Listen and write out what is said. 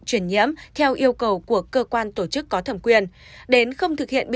truyền nhiễm theo yêu cầu của cơ quan tổ chức có thẩm quyền